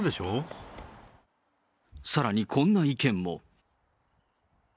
さらにこんな意見も。